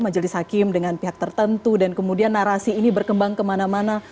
majelis hakim dengan pihak tertentu dan kemudian narasi ini berkembang kemana mana